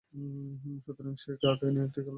সুতরাং সে কাকে নিয়ে যাবে, এটা খেলোয়াড়দের সিদ্ধান্ত।